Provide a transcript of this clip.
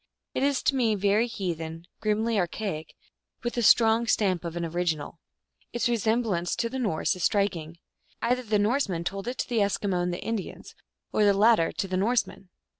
It is to me very heathen, grimly archaic, and with the strong stamp of an original. Its resem GLOOSKAP THE DIVINITY. 133 blance to the Norse is striking. Either the Norse men told it to the Eskimo and the Indians, or the lat ter to the Norsemen.